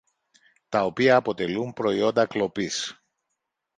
τα οποία αποτελούν προϊόντα κλοπής